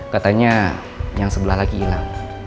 katanya yang sebelah lagi hilang